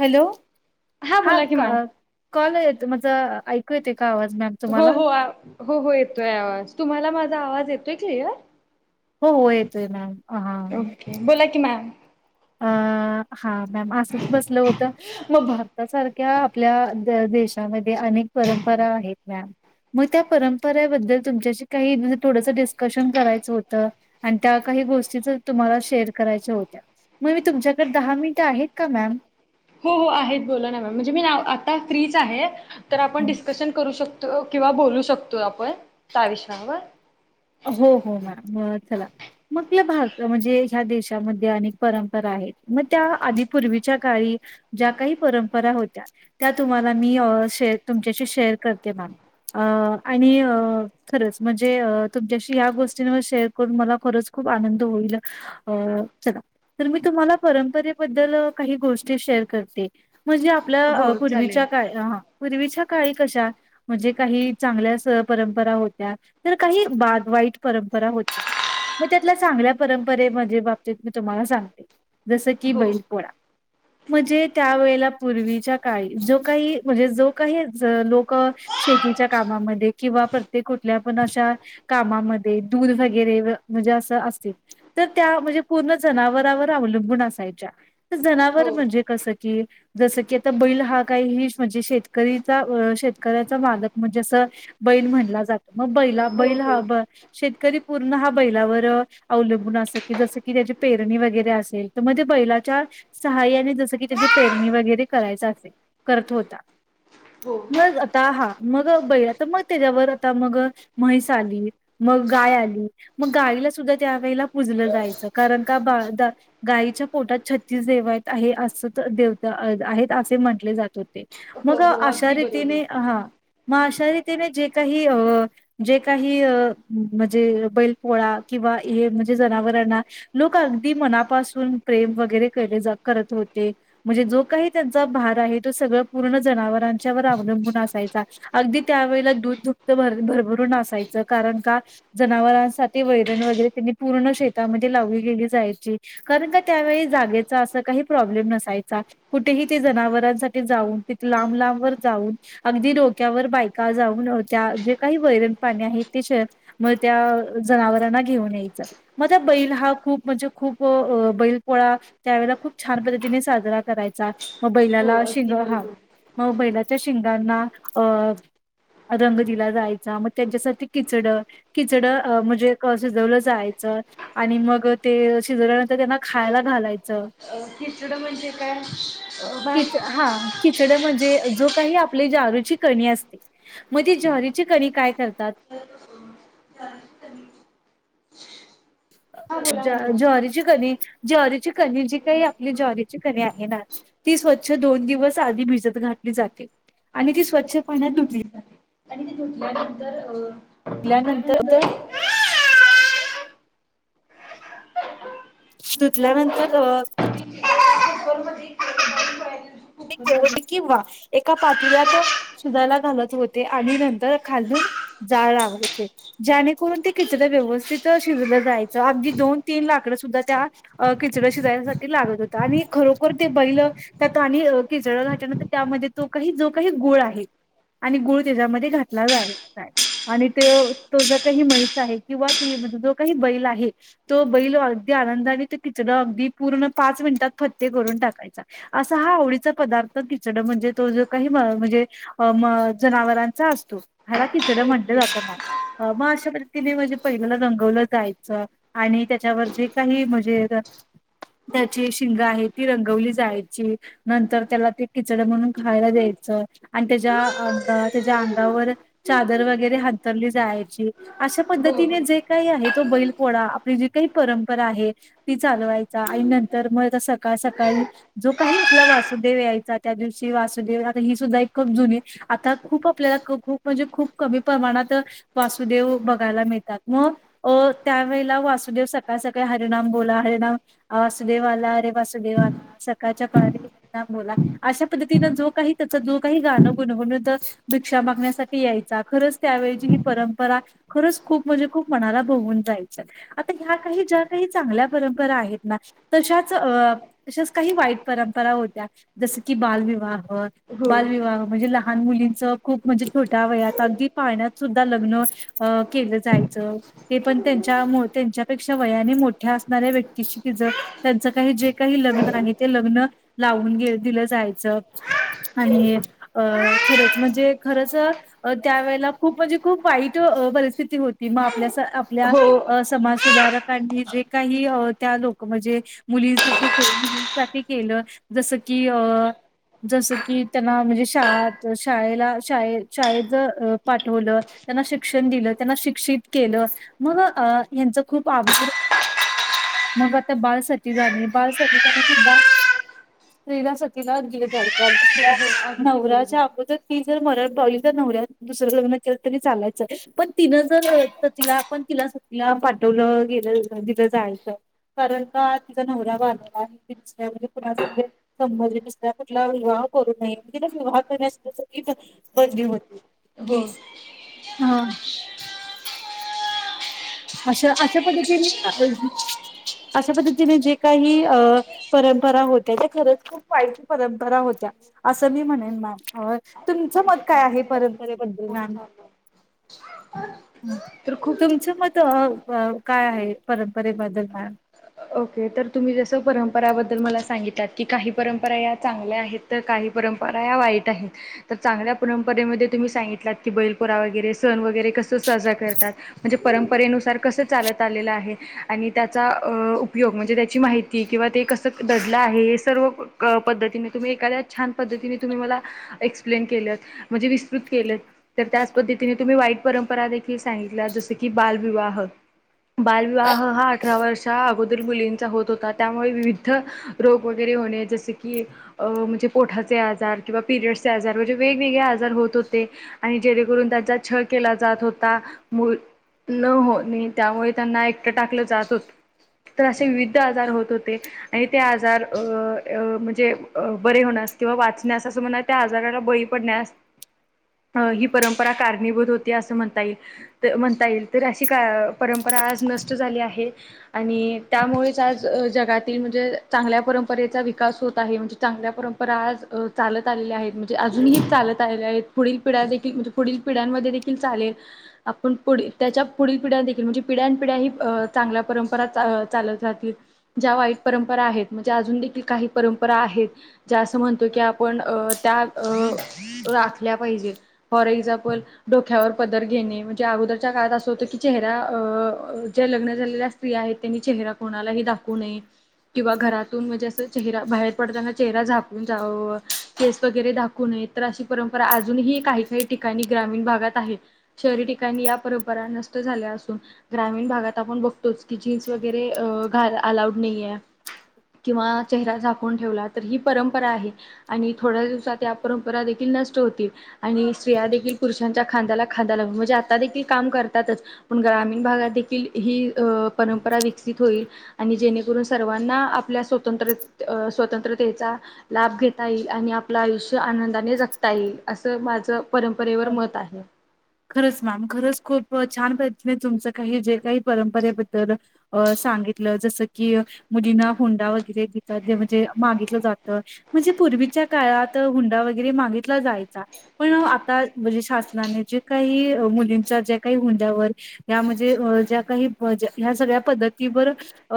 Hello हा बोला की मॅम, कॉल येत माझा ऐकू येते का आवाज मॅम हो तुम्हाला हो आवा हो हो येतोय आवाज तुम्हाला मा आवाज येतोय क्लिअर? हो हो येतोय मॅम हा ओके, बोला कि मॅम अ हा असंच बसलं होतं, मग भारतासारख्या आपल्या दे देशामध्ये अनेक परंपरा रा आहेत मॅम मग त्या परंपरेबद्दल तुमच्याशी काही थोडंस डिस्कशन करायचं होतं, आणि त्या काही गोष्टी तुम्हाला शेअर करायच्या होत्या. मग मी तुमच्याकडे दहा मिनिटं आहेत का मॅम? हो हो आहेत बोला ना मॅम म्हणजे मी आ आता फ्रीच आहे, तर आपण डिस्कशन करू शकतो किंवा बोलू शकतोय आपण त्या विषयावर हो हो मॅम म चला म्हंटल भारता म्हणजे ह्या देशामध् अनेक परंपरा आहेत. मग त्या आधी पूर्वीच्या काळी, ज्या काही परंपरा होत्या त्या तुम्हाला मी ते तुमच्याशी शेअर करते मॅम, अ आणि अ खरंच म्हणजे अ तुमच्याशी या गोष्टींवर शेअर करून मला खरंच खुप आनंद होईल अ, चला तर मी तुम्हाला परंपरेबद्ल काही गोष्टी शे र करते, म्हणजे आपल्या अ हो चालेल पूर्वीच्या काळी अ हा पूर्वीच्या काळी कशा म्हणजे काही चांगल्या स परंपरा होत्या बा वाईट परंपरा होत, मग त्यातल्या चांगल्या परंपरे बाबतीत म्हणेज मी तुम्हाला सां सांगते, जसं की हो बैलपोळा म्हणजे त्या वेळेला पूर्वीच्या काळी, जो काही म्हणजे जो काही लोकं शे तिच्या कामामध्ये, किंवा प्रत्येक कुठल्या पण अशा कामामध्ये, दूध वगैरे व म्हणजे असं असतील, तर त्या म्हणजे पूर्ण जनावरावर अव लंबुन असायच्या, त जनावर म्हणजे कसं कि जसं की आता बैल हा काही ही म्हणजे शेतकरीचा शेतकऱ्याचा मालक म्हणजे असं बैल म्हणला जात मग बै बैल हा ब शेतकरी पूर्ण हा बैलावर अवलंबून असं की जसं की त्याची पेरणी वगैरे असेल तर म त्या बैलाच्या सहाय्याने जसं की त्याची पेरणी वगैरे करायचा असेल, करत होता मग आता हा, मग बै आता मग त्याच्यावर आता मग म्हैस आली मग गाय आली, मग गाईला सुद्धा त्यावेळेला पुजलं जायचं कारण का बा दा आईच्या पोटातछत्तीस देव अस देव आहेत असे म्हटले जात होते मग अशा रीतीने हा मग अशा रीतीने जे काही अ जे काही म्हणजे बैल पोळा किंवा हे म्हणजे जनावरांना लोक अगदी मनापासून े व हो म्हणे जो काही त्यांचा भार आहे त स पूर्ण ज अवलंून अस अग त्या व दूधु भर भरून असयच कारण जनावरांसाठी वैरण वगरे त्यांनी पूर्ण शेतामध्ये लावली गेली जायची कारण का त्या अस का प्रब्लेम नय कुठे जांऊंब जाऊन अगदी डोक्यावर बायका जाऊन त्या जे काही वैरण पाणी आहेत ते त्या जनाांना घेऊन यायच मग त्या बै हा खूप म्हणजे खप बै पोळा त्यावेळेला खूप छान पद्धतीने साजरा करायचा मग हो बैलाला शेंग अगदी हाव बरोबर. मग बैलाच्या शिंगांना अ रंग दिला जायचा मग त्यांच्यासाठी किचड िचड म्हणजे शजवलं जायच आणि मग ते शिल्यानंतर खा ला घालायच खिचडं म्हणजे काय भा ि हा खिचड म्हणजे जो काही आपली जारूची कणी असते मग ती जारूची कणी काय करतात ह [inaudible] हा बोला ना ह मॅम. जॉरीची कणी जॉरीची कणी जी काही आपली जॉरीची कनी आहे ना ती स्व स्वच्छ दोन दिवस आधी भिजत घातली जाते आणि ती स्वच्छ पुर खलान नंतो तर धुतल्यानंतर अं [unintelligible] किंवा एका पातेल्यात शिजायला घालत होते आणि नंतर खालं जाळ लावायचे जेणेकरून ते खिचड व्यवस्थित शिजलं जायचं अगदी दोन तीन लाकडं सुद्धा त्या खिचडं शिजायसाठी लागत होत आणि खरोखर ते बैलं त्या आणि खिचड घाल्यानंतर त्यामध्ये तो काही जो काही गुळ आहे आणि गुळ त्याच्यामध्ये घातला जा आणि ते तो जर काही म्हैस आहे किंवा ती जो काही बैल आहे तो बैल अगदी आनंदाने ते खिचडं अगदी पूर्ण पाच मिनिटात फ ते करून टाकायचा असा हा आवडीचा पदार्थ खिचडं म्हणजे तो जो काही म्हणजे म जनावरांचा असतो. ह्याला खिचडं म्हणलं ओके. जातं ना मग अशा पद्धतीने म्हणजे पहिल्याला रंगवलं जायचं आणि आणि त्याच्यावर जे काही म्हणजे त्याची शिंग आहे ती रंगवली जायची नंतर त्याला ते खिचडं बनवून खायला द्यायचं आणि त्याच्या आं त्याच्या अंगावर चादर वगैरे हांतरली जायची अशा पद्धतीने जे काही आहे तो बैल पोळा, आपली जी काही परंपरा आहे ती चालवायचा आणि नंतर मग आता सकाळ सकाळी जो काही आपला वासुदेव यायचा त्या दिवशी वासुदेव आता ही सुद्धा एक खुप जुनी आता खूप आपल्याला क खूप म्हणजे खूप कमी प्रमाणात वासुदेव बघायला मिळतात. मग त्यावेळेला वासुदेव सकाळ सकाळी हरिणाम बोला हरिणाम वासुदेव आला रे ते वासुदेवा सारखं [unintelligible] बोला अश पद्धतीन जो काही जो काही गाणं गुणगुणत च मागण्यासाठी यायचा खरचं त्यावेळची ही परंपरा खरंच खूप म्हणजे खूप मनाला भोवून जायची आता ह्या काही ज्या काही चांगल्या परंपरा आहेत ना त्याच्यात च काही वाईट परंपरा होत्या जस की बालविवाह [unintelligible] बालविवाह म्हणजे लहान मुलींचं खूप म्हणजे छोट्या वयात अगदी पाळण्यात सुद्धा लग्न केलं जायचं ते पण त्यांच्या त्यांच्यापेक्षा वयाने मोठ्या असणाऱ्या व्यक्तीशी तीज त्यांच काही जे काही लग्न आणि ते लग्न लावून गे दिलं जायचं हो. आणि अ खरंच म्हणजे खरंच त्यावेेळेला खूप म्हणजे खूप वाईटं अ परिस्थिती होती म आपल्या अ हो आपल्या समाज सुधारकांनी जे काही त्या लोक म्हणजे मुलींसाठी साठी केलं जस की अ जस की त्यांना म्हणजे शाळ शाळेला शाळ शाळेच पाठवलं त्यांना शिक्षण दिलं त्यांना शिक्षित केलं मग ह्यांच खूप आवघड मग आता बाल सती झाली बाल सतीसाठी सुद्धा स्त्रीला सतीला दिले जायचे हो अगदी नवऱ्याच्या बरोबर. अगोदर ती जर मरण पावली तर नव दुसरं लग्न केलं तरी चालायचं, पण तीनं जर तिला तिला आपण सतीला पाठवलं दिलं गेलं दिलं जायचं कारण का तिचा नवरा वारलाय विधवा कुणाच हो तरी दुसरा कुठला विवाह करू नये विवाह करण्यास [unintelligible] बंदली होती. हो. येस. हा. अशा अशा पद्धतीने अशा पद्धतीने जे काही परंपरा होत्या त्या खरंच खूप वाईट परंपरा होत्या. असं मी म्हणेन मॅम तुमचं मत काय आहे, परंपरेबद्दल मॅम? [inaudible] [inaudible] तर खूप अं अं काय आहे परंपरे बद्दल मॅम? ओके तर तुम्ही जसं परंपराबद्दल मला सांगितात की काही परंपरा या चांगल्या आहेत तर काही परं रंपरा वाईट आहेत तर चांगल्या परंपरेमध्ये तुम्ही सांगितलात की बैलपोळा वगैरे सण वगैरे कस कस साजरा करतात म्हणजे परंपरेनुसार कसं चालत आलेल आहे आणि त्याचा अ उपयोग म्हणजे त्याची माहिती किंवा ते कसं दडलं आहे हे सर्व पद्धतीने तुम्ही एखाद्या छान पद्धतीने तुम्ही मला एक्सप्लेन केलेत. म्हणजे विस्तृत केलं तर त्याच पद्धतीने तुम्ही वाईट परंपरा देखील सांगितल्या जस की बालविवाह बालविवाह हा अठरा वर्षा आगो दर मुलींचा होत होता, त्यामुळे विविध रोग वगैरे होणे जस की म्हणजे पोटा आजार किंवा पिरयडचे आजार म्हणजे वेगवेगळे आजार होत होते आणि जेणेकरून त्यांचा छळ केला जात होता. मुल न होणे त्यामुळे त्यांना एकटं टाकलं जात होत. तर असे विविध आजार होत होते आणि ते आजार अ म्हणजे बरे होणास किंवा वाचण्यास असं म्ह त्या आजाराला बळी पडण्यास अ ही परंपरा कारणीभूत होती असं म्हणता येईल, म्हणता येईल तर अशी का परंप परंपरा आज नष्ट झाली आहे आणि त्यामुळेच आज जगातील म्हणजे चांगल्या परंपरेचा विकास होत आहे, म्हणजे चांगल्या परंपरा आज चालत आलेले आहेत, म्हणजे अजूनही चालत आलेले आहेत. पुढील पिढ्या देखील म्हणजे पुढील पिढ्यांमध्ये देखील चालेल आपण पु त्याच्या पुढील पिढ्या देखील म्हणजे पिड्या्यां पिढ्या ही चांगल्या परंपरा चालत जातील ज्या वाईट परंपरा आहेत, म्हणजे अजून देखील काही परंपरा आहेत. जे असं म्हणतो की आपण त्या अ राखल्या पाहिजे. फॉर एक्झाम्पल डोक्यावर पदर घेणे म्हणजे अगोदरच्या काळात असं होतं की चेहरा अ ज्या लग्न झालेल्या स्त्री आहेत, त्यांनी चेहरा कोणालाही दाखवू नये. किंवा घरातून म्हणजे असं चेहरा बाहेर पडताना चेहरा झाकून जाव केस वगैरे दाखवून नयेत. तर अशी परंपरा अजूनही काही काही ठिकाणी ग्रामीण भागात आहे, शहरी ठिकाणी या परंपरा नष्ट झाल्या असून ग्रामीण भागात आपण बघतोच की वगरे घातला अलाऊड नाहीय किंवा चेहरा झाकून ठेवलात. तर ही परंपरा आहे, आणि थोड्या दिवसात या परंपरा देखील नष्ट होतील, आणि स्त्रिया देखील पुरुषांच्या खांद्याला खादा लाऊन म्हणजे आता देखील काम करतातच पण ग्रामीण भागात देखील ही परं परा विकसित होईल आणि जेणेकरून सर्वांना आपल्या स्वतंत्र स्वतंत्रतेचा लाभ घेता येईल आणि आपलं आयुष्य आनंदाने जगता येईल असं माझं परंपरेवर अ मत आहे खरंच मॅम खरंच खूप छान प्रयत्न आहे तुमचं काही जे काही परंपरेबद्दल अ सांगितलं जसं की मुलींना हुंडा वगैरे देतात जे म्हणजे मागितलं जातं म्हणजे पूर्वीच्या काळात हुंडा व वगैरे मागीत ला जायचा पण आता म्हणजे शासनाने जे काही मुलींच्या ज्या काही हुंडयावर या म्हणजे ज्या काही ह्या सगळ्या पद्धतीवर अ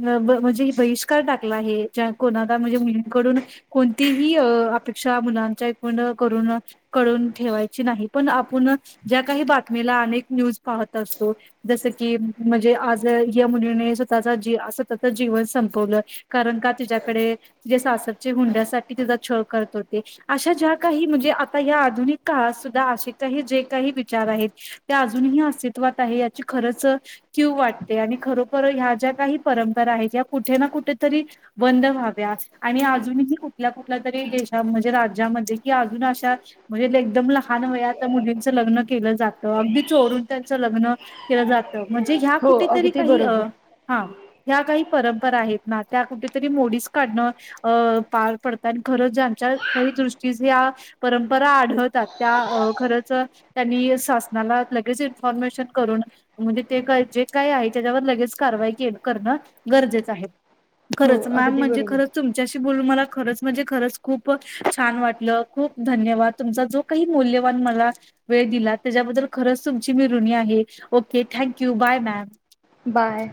म्हणजे बहिष्कार टाकला आहे ज्या कोणाला म्हणजे मुलींकडून कोण तिही अपेक्षा मुलांच्या एकूण करून कडून ठेवायची नाही पण आपण ज्या काही बातमीला अनेक न्यूज पाहत अस तो जस की म्हणजे आज या मुलीने स्वतःचा जिव स्वतःच जीवन संपवलं. कारण का तिच्याकडे जे सासरच्या हुंड्यासाठी तिचा छळ करत होते अशा ज्या काही म्हणजे या आधुनिक काळात सुद्धा असे काही जे काही विचार आहेत ते अजूनही अस्तित्वात आहे याची खरच किव वाटते आणि खरोखर ह्या ज्या काही परंपरा आहेत या कुठे ना कुठेतरी बंद व्हाव्या आणि अजूनही कुठल्या कुठल्या तरी देशा म्हणजे राज्यामध्ये कि अजून अश्या म्हणजे ते एकदम लहान वया त्या मुलींचं लग्न केलं जात अगदी चोरून त्यांच लग्न केलं जातं म्हणजे ह्या हो कुठेतरी अगदी काही बरोबर. हा ह्या काही परंपरा आहेत ना त्या कुठेतरी मोडीस काढणं अं पार पडतं आणि खरंच ज्यांच्या दृष्टीस या परंपरा आढळतात त्या खरच त्यांनी शासनाला लगेच इन्फॉर्मेशन करून म्हणजे ते जे काय आहे त्याच्यावर लगेच कारवाई करणं गरजेचं आहे. हो खरंच मॅम अगदी म्हणजे खरंच बरोबर. तुमच्याशी बोलून मला खरंच म्हणजे खरंच खूप छान वाटलं खूप धन्यवाद तुमचा जो काही मौल्यवान मला वेळ दिला त्याच्याबद्दल खरंच तुमची मी ऋणी आहे. Okay thank you bye ma'am bye.